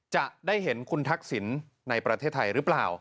จะได้เห็นคุณทักษิณในประเทศไทยหรือเปล่า